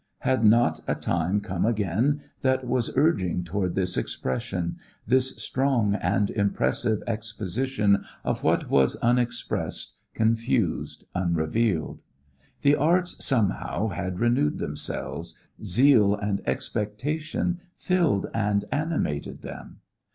Had not a time come again that was urging toward this expression this strong and impressive exposition of what was unexpressed, confused, unrevealed? The arts somehow had renewed themselves, zeal and expectation filled and animated them.